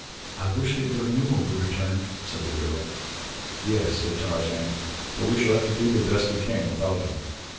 "I wish that your Numa would return," said the girl. "Yes," said Tarzan, "but we shall have to do the best we can without him.